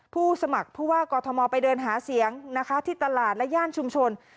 ผู้สมัครผู้ว่ากอทมไปเดินหาเสียงนะคะที่ตลาดและย่านชุมชน